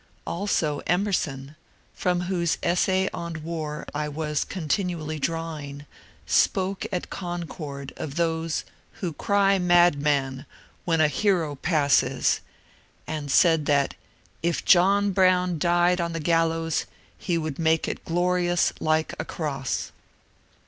Also JOHN BROWN 301 Emerson, from whose essay on War I was continually draw ing, spoke at Concord of those *^ who cry Madman ! when a hero passes," and said that *^ if John Brown died on the gal lows he would make it glorious like a cross."